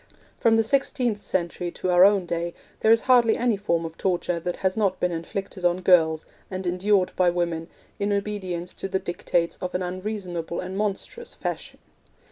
From the sixteenth century to our own day there is hardly any form of torture that has not been inflicted on girls, and endured by women, in obedience to the dictates of an unreasonable and monstrous Fashion.